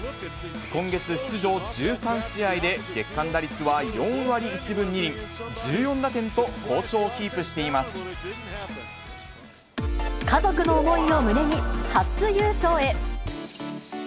今月出場１３試合で月間打率は４割１分２厘、１４打点と好調をキ家族の思いを胸に、初優勝へ。